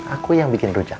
aku yang bikin rujak